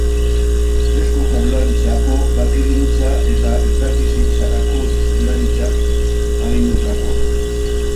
Eusko Jaurlaritzako Bakegintza eta Elkarbizitzarako Zuzendaritzak agindutako.